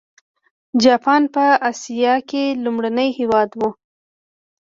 جاپان په اسیا کې لومړنی هېواد و.